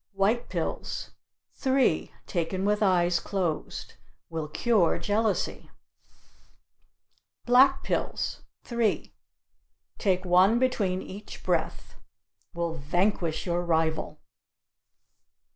White pills three, taken with eyes closed. Will cure jealousy. Black pills three take one between each breath. Will vanquish your rival.